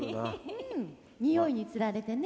うん匂いに釣られてね。